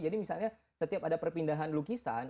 jadi misalnya setiap ada perpindahan lukisan